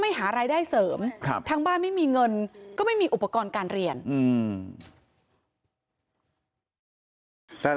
ไม่ก็วันเสาร์ช่วงการเที่ยง